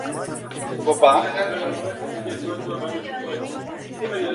Entre los seis y doce años de edad Ismene vivió en Utrecht.